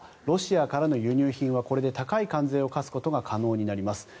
ロシアからの輸入品はこれで高い関税を課すことが可能になります。